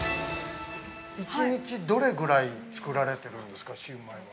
◆１日どれぐらい作られてるんですか、シウマイは。